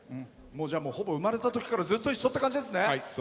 じゃあ、ほぼ生まれたときからずっと一緒って感じですね。